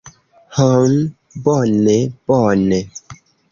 Hm, bone bone.